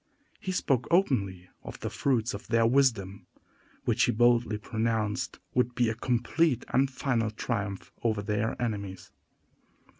He spoke openly of the fruits of their wisdom, which he boldly pronounced would be a complete and final triumph over their enemies.